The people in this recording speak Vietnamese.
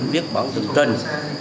viết bản từng trình